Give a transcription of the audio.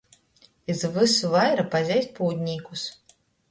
Iz vysu vaira pazeist pūdnīkus.